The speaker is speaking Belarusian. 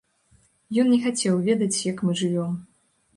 Ён не хацеў ведаць, як мы жывём.